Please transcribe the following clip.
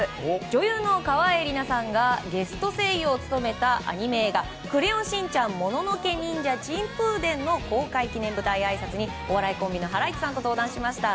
女優の川栄李奈さんがゲスト声優を務めたアニメ映画「クレヨンしんちゃんもののけニンジャ珍風伝」の公開記念舞台あいさつにお笑いコンビのハライチさんと登壇しました。